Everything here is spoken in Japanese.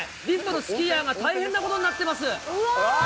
リフトのスキーヤーが大変なことになってます。